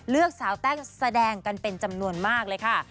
สาวแต้งแสดงกันเป็นจำนวนมากเลยค่ะ